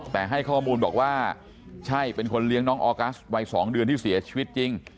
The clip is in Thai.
แต่ให้ข้อมูลบอกว่าใช่เป็นคนเลี้ยงน้องออกัสวัย๒เดือนที่เสียชีวิตจริง